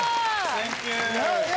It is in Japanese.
サンキュー。